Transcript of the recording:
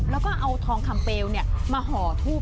แล้วก็เอาทองคำเปลวมาห่อทูบ